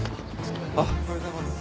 おはようございます。